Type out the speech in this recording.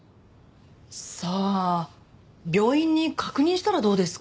さあ病院に確認したらどうですか？